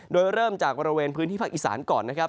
โดยเริ่มจากบริเวณพื้นที่พระอิษรรย์ก่อนนะครับ